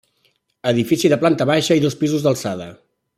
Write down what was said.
Edifici de planta baixa i dos pisos d'alçada.